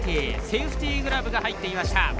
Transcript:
セーフティーグラブが入っていました。